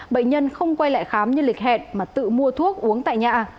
bệnh nhân không quay lại khám như lịch hẹn mà tự mua thuốc uống tại nhà